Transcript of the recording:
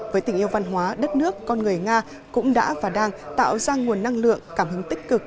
với tình yêu văn hóa đất nước con người nga cũng đã và đang tạo ra nguồn năng lượng cảm hứng tích cực